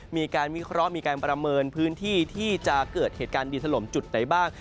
มีการวิเคราะห์มีการประเมินพื้นที่ที่จะเกิดเหตุการณ์ดินถล่มจุดไหนบ้าง